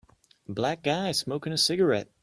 A black guy smoking a cigarette